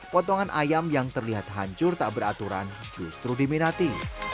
potongan ayam yang terlihat hancur tak beraturan justru diminati